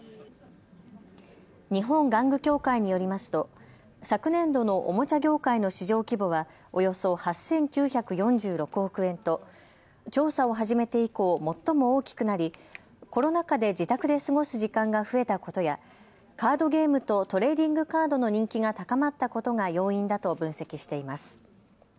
日本玩具協会によりますと昨年度のおもちゃ業界の市場規模はおよそ８９４６億円と調査を始めて以降、最も大きくなりコロナ禍で自宅で過ごす時間が増えたことやカードゲームとトレーディングカードの人気が高まったことが要因だと分析しています。